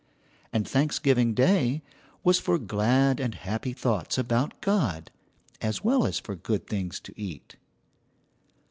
And Thanksgiving Day was for glad and happy thoughts about God, as well as for good things to eat.